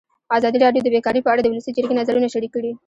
ازادي راډیو د بیکاري په اړه د ولسي جرګې نظرونه شریک کړي.